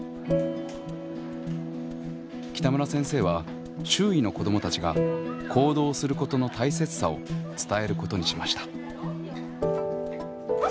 北村先生は周囲の子どもたちが行動することの大切さを伝えることにしました。